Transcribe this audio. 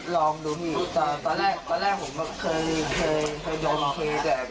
ก็ลองดูอีกตอนแรกผมเคยยอมเคแต่เป็นเคเก็ดผิด